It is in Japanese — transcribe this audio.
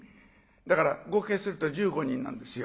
だから合計すると１５人なんですよ。